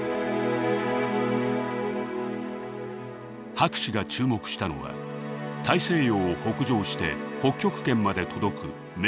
博士が注目したのは大西洋を北上して北極圏まで届くメキシコ湾流です。